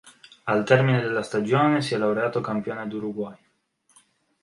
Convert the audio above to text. Al termine della stagione si è laureato campione d'Uruguay.